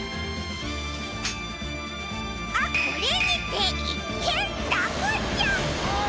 あっこれにていっけんらくちゃく！